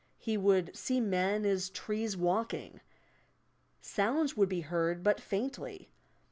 He would "see men as trees walking." Sounds would be heard but faintly.